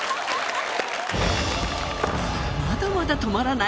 まだまだ止まらない！